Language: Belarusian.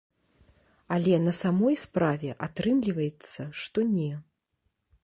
Але на самой справе атрымліваецца, што не.